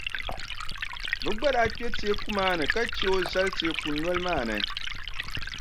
Bɛ gba daa kpe teeku maa ni ka che o zali teeku noli maa ni.